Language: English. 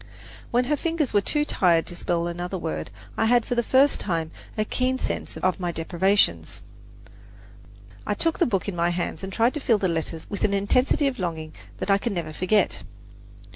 When her fingers were too tired to spell another word, I had for the first time a keen sense of my deprivations. I took the book in my hands and tried to feel the letters with an intensity of longing that I can never forget.